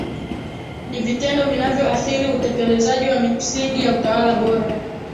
Ni vitendo vinavyoathiri utekelezaji wa misingi ya utawala bora